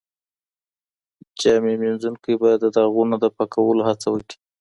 جامي مینځونکی به د داغونو د پاکولو هڅه وکړي.